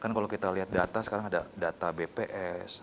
kan kalau kita lihat data sekarang ada data bps